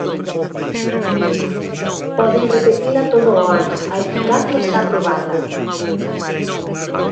Poden repetila todo o ano, a eficacia está probada.